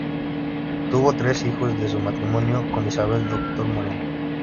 Tuvo tres hijos de su matrimonio con Isabel Doctor Moreno.